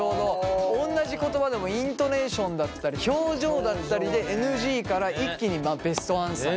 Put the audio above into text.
おんなじ言葉でもイントネーションだったり表情だったりでＮＧから一気にベストアンサー。